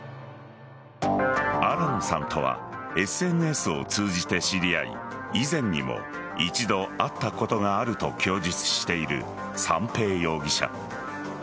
新野さんとはＳＮＳを通じて知り合い以前にも一度会ったことがあると供述している三瓶容疑者。